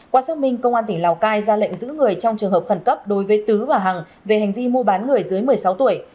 qua xác minh công an tỉnh lào cai ra lệnh giữ người trong trường hợp khẩn cấp đối với tứ và hằng về hành vi mua bán người dưới một mươi sáu tuổi